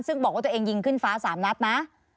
ซึ่งบอกว่าตัวเองยิงขึ้นฟ้า๓นัดนะ